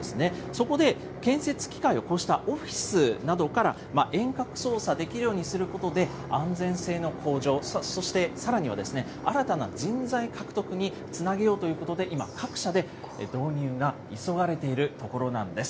そこで建設機械をこうしたオフィスなどから遠隔操作できるようにすることで、安全性の向上、そしてさらには新たな人材獲得につなげようということで、今、各社で導入が急がれているところなんです。